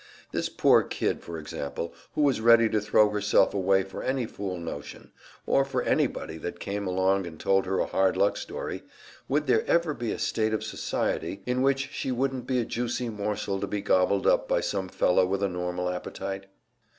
This poor kid, for example, who was ready to throw herself away for any fool notion, or for anybody that came along and told her a hard luck story would there ever be a state of society in which she wouldn't be a juicy morsel to be gobbled up by some fellow with a normal appetite?